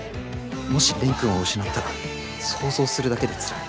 もし蓮くんを失ったら想像するだけでつらい。